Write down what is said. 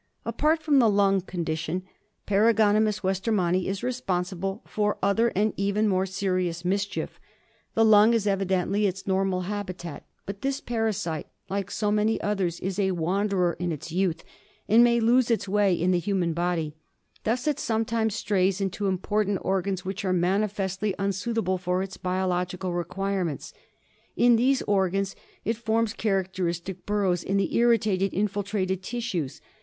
Apart from the lung condition Paragonimus wester manni is responsible for other and even more serious 48 ENDEMIC HiEMOPTYSIS. mischief. The lung is evidently its normal habitat ; but this parasite, like so many others, is a wanderer in its youth, and may lose its way in the human body. Thus it sometimes strays into important organs which are manifestly unsuitable for its biologic requirements. In these organs it forms characteristic burrows in the irri tated, infiltrated tissues.